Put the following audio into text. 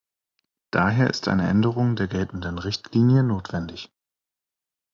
Daher ist eine Änderung der geltenden Richtlinie notwendig.